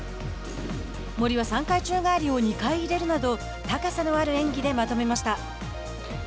森は、３回宙返りを２回入れるなど高さのある演技でまとめました。